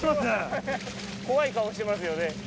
怖い顔してますよね。